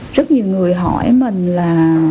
rất nhiều người hỏi mình là